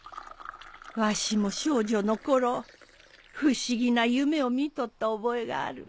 わしも少女の頃不思議な夢を見とった覚えがある。